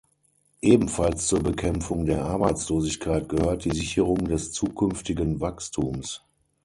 Ebenfalls zur Bekämpfung der Arbeitslosigkeit gehört die Sicherung des zukünftigen Wachstums.